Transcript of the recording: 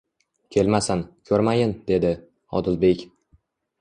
Kelmasin, ko'rmayin — dedi. Odilbek: